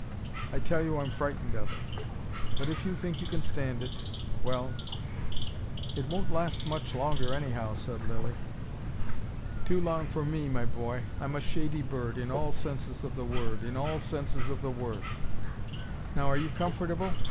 I tell you I'm frightened of it. But if you think you can stand it well " "It won't last much longer, anyhow," said Lilly. "Too long for me, my boy. I'm a shady bird, in all senses of the word, in all senses of the word. Now are you comfortable?